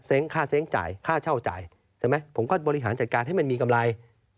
ค่าเซ้งจ่ายค่าเช่าจ่ายใช่ไหมผมก็บริหารจัดการให้มันมีกำไร